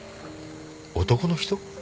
男の人？